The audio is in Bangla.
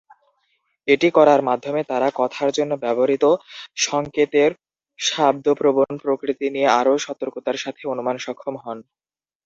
এটি করার মাধ্যমে তারা কথার জন্য ব্যবহৃত সংকেতের শাব্দ-প্রবণ প্রকৃতি নিয়ে আরও সতর্কতার সাথে অনুমান সক্ষম হন।